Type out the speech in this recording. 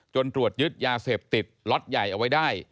ตรวจยึดยาเสพติดล็อตใหญ่เอาไว้ได้